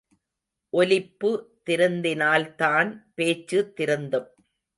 ஒலிப்பு திருந்தினால்தான் பேச்சு திருந்தும்.